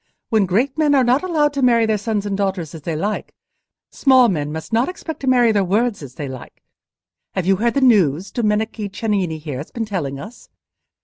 "When great men are not allowed to marry their sons and daughters as they like, small men must not expect to marry their words as they like. Have you heard the news Domenico Cennini, here, has been telling us?